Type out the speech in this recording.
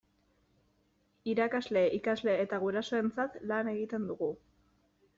Irakasle, ikasle eta gurasoentzat lan egiten dugu.